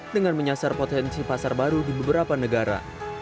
dengan menyasar potensi pasar baru di beberapa negara